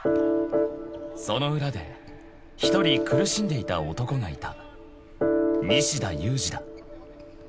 ［その裏で一人苦しんでいた男がいた］